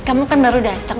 kamu kan baru datang